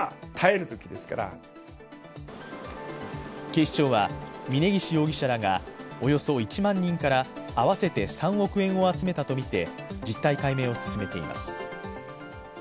警視庁は峯岸容疑者らがおよそ１万人から合わせて３億円を集めたとみて実態解明を進めています。